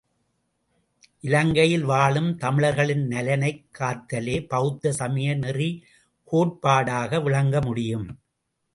இலங்கையில் வாழும் தமிழர்களின் நலனைக் காத்தலே பெளத்த சமய நெறி கோட்பாடாக விளங்க முடியும்!